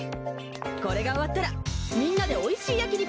これが終わったらみんなでおいしい焼肉